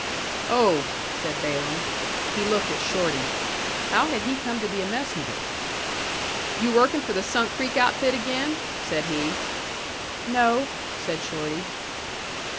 "Oh," said Balaam. He looked at Shorty. How had he come to be a messenger? "You working for the Sunk Creek outfit again?" said he. "No," said Shorty.